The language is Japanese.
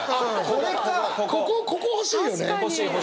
ここ欲しいよね。